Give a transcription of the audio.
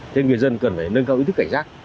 thế người dân cần phải nâng cao ý thức cảnh giác